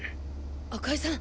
赤井さん